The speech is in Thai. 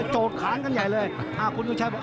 โจทย์คล้านกันใหญ่เลยครุ่นนุชชัยบอกว่า